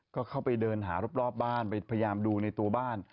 ก็เข้าไปเดินหารอบบ้านไปพยายามดูในตัวบ้าน